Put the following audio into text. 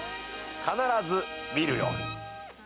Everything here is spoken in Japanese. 必ず見るように。